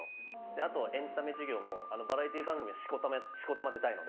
あとエンタメ事業もバラエティー番組もしこたま出たいので。